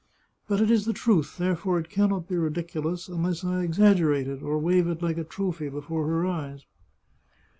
But it is the truth, therefore it can not be ridiculous unless I exaggerate it, or wave it like a trophy before her eyes."